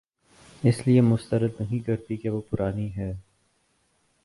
اس لیے مسترد نہیں کرتی کہ وہ پرانی ہے